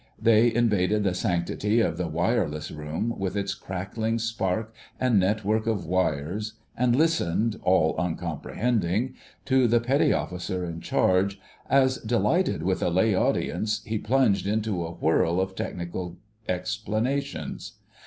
They invaded the sanctity of the wireless room, with its crackling spark and network of wires, and listened, all uncomprehending, to the petty officer in charge, as, delighted with a lay audience, he plunged into a whirl of technical explanations.